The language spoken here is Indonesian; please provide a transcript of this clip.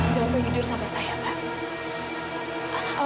jangan berjudul sama saya pak